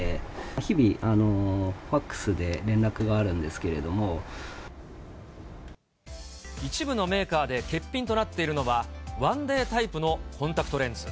日々、ファックスで連絡があるん一部のメーカーで欠品となっているのは、ワンデータイプのコンタクトレンズ。